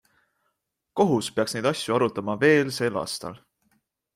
Kohus peaks neid asju arutama veel sel aastal.